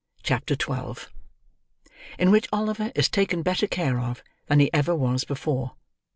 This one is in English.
CHAPTER XII. IN WHICH OLIVER IS TAKEN BETTER CARE OF THAN HE EVER WAS BEFORE.